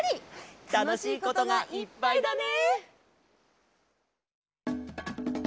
たのしいことがいっぱいだね！